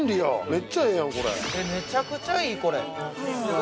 ◆めちゃくちゃいい、これ。